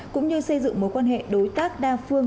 cũng như xây dựng mối quan hệ đối tác đa phương